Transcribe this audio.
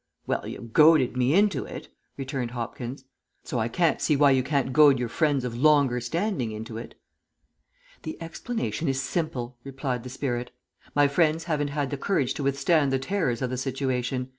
"Well, you goaded me into it," returned Hopkins. "So I can't see why you can't goad your friends of longer standing into it." "The explanation is simple," replied the spirit. "My friends haven't had the courage to withstand the terrors of the situation.